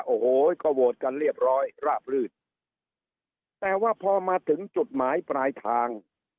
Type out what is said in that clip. โอ้โหก็โหวตกันเรียบร้อยราบลืดแต่ว่าพอมาถึงจุดหมายปลายทาง